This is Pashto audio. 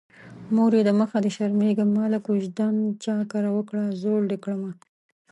مورې د مخه دې شرمېږم ماله کوژدن چا کره وکړه زوړ دې کړمه